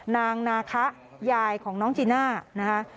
นางนาคะยายของน้องจีน่านะคะ